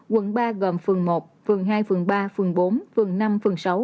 quận ba gồm phường một phường hai phường ba phường bốn phường năm phường sáu